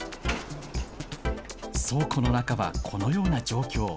倉庫の中はこのような状況。